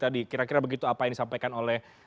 tadi kira kira begitu apa yang disampaikan oleh